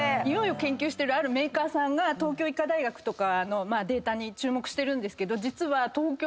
においを研究してるあるメーカーが東京医科大学とかのデータに注目してるんですけど。